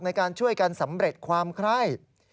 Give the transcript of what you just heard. ในการช่วยการสำเร็จความคล่าย